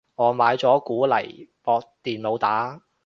我買咗個鼓嚟駁電腦打